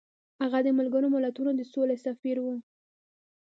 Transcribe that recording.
هغه د ملګرو ملتونو د سولې سفیر و.